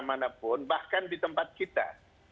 manapun bahkan di tempat kita